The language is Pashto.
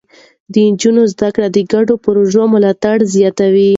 د نجونو زده کړه د ګډو پروژو ملاتړ زياتوي.